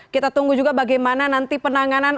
kita tunggu juga bagaimana nanti penanganan